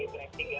iya trading ya